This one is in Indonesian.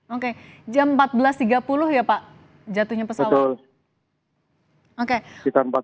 oke jam empat belas tiga puluh ya pak jatuhnya pesawat